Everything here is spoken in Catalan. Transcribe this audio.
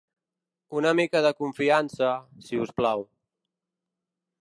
Una mica de confiança, si us plau.